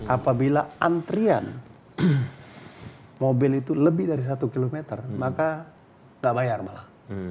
apabila antrian mobil itu lebih dari satu km maka nggak bayar malah